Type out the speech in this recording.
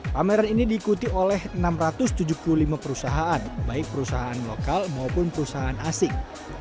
pameran ini diikuti oleh enam ratus tujuh puluh lima perusahaan baik perusahaan lokal maupun perusahaan asing